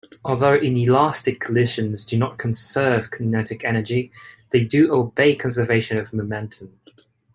Although inelastic collisions do not conserve kinetic energy, they do obey conservation of momentum.